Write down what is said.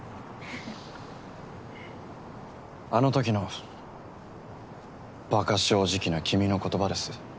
あのときのばか正直な君の言葉です。